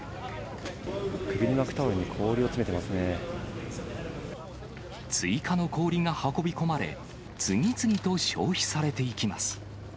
首に巻くタオルに氷を詰めて追加の氷が運び込まれ、次々と消費されていきます。